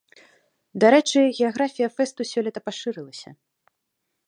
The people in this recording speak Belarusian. Дарэчы, геаграфія фэсту сёлета пашырылася.